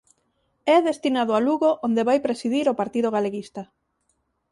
É destinado a Lugo onde vai presidir o Partido Galeguista.